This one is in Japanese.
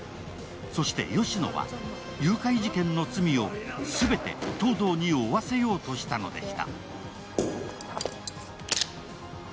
そして吉乃は誘拐事件の罪をすべて東堂に負わせようとしたのです。